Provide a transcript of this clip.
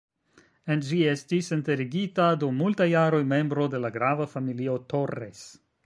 En ĝi estis enterigita dum multaj jaroj membro de la grava familio "Torres".